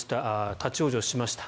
立ち往生しました。